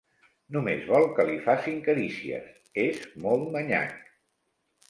Només vol que li facin carícies: és molt manyac.